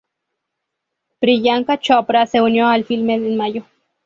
Priyanka Chopra se unió al filme en mayo.